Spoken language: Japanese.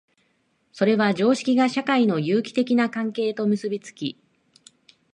それは常識が社会の有機的な関係と結び付き、